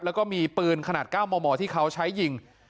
แล้วก็มีปืนขนาด๙มมที่เขาใช้ยิง